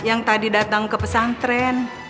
yang tadi datang ke pesantren